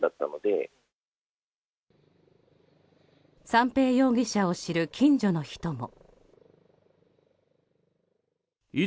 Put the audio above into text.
三瓶容疑者を知る近所の人も。